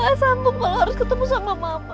gua gak sampe kalo harus ketemu sama mama